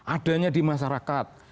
adanya di masyarakat